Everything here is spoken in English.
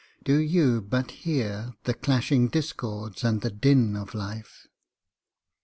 Do you but hear the clashing discords and the din of life?